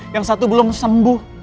yang satu belum sembuh